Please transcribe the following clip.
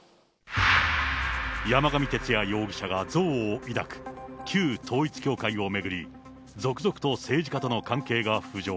山上徹也容疑者が憎悪を抱く、旧統一教会を巡り、続々と政治家との関係が浮上。